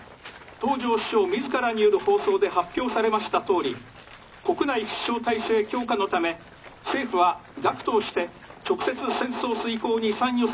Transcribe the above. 東條首相自らによる放送で発表されましたとおり国内必勝体制強化のため政府は学徒をして直接戦争遂行に参与せしむることに方針を決定。